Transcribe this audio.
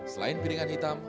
selain piringan hitam